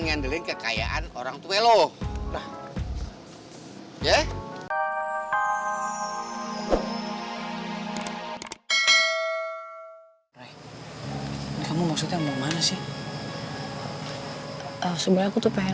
ngandelin kekayaan orang tua loh nah ya kamu maksudnya mau mana sih sebenarnya aku tuh pengen